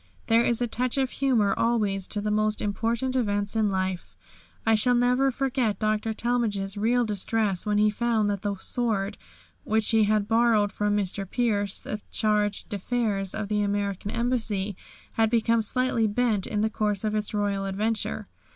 There is a touch of humour always to the most important events in life. I shall never forget Dr. Talmage's real distress when he found that the sword which he had borrowed from Mr. Pierce, the Charge d'Affaires of the American Embassy, had become slightly bent in the course of its royal adventure.